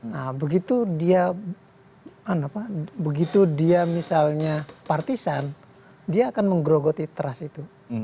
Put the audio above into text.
nah begitu dia begitu dia misalnya partisan dia akan menggerogoti trust itu